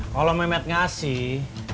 kalau mehmet ngasih